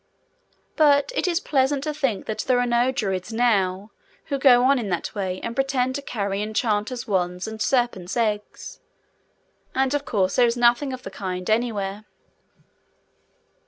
But it is pleasant to think that there are no Druids, now, who go on in that way, and pretend to carry Enchanters' Wands and Serpents' Eggs—and of course there is nothing of the kind, anywhere.